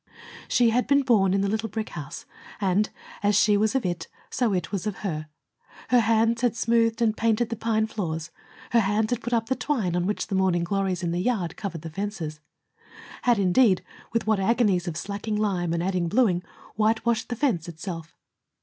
She had been born in the little brick house, and, as she was of it, so it was of her. Her hands had smoothed and painted the pine floors; her hands had put up the twine on which the morning glories in the yard covered the fences; had, indeed, with what agonies of slacking lime and adding blueing, whitewashed the fence itself!